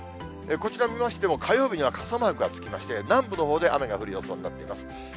こちら見ましても、火曜日には傘マークつきまして、南部のほうで雨が降る予想になってます。